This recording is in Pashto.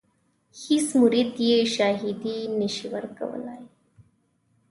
هیڅ مرید یې شاهدي نه شي ورکولای.